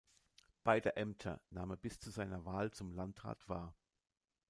Beide Ämter nahm er bis zu seiner Wahl zum Landrat wahr.